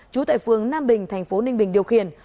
chú tại phương nam bình thành phố ninh bình điều khiển